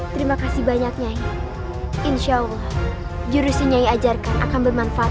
terima kasih banyaknya insyaallah jurusnya nyai ajarkan akan bermanfaat